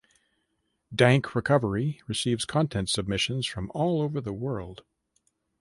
Dank Recovery receives content submissions from all over the world.